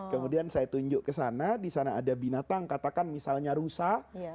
kemudian saya tunjuk ke sana di sana ada binatang katakan misalnya rusa